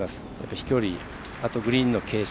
飛距離、あとグリーンの傾斜